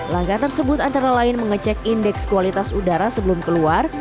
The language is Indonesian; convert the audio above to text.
langkah tersebut antara lain mengecek indeks kualitas udara sebelum keluar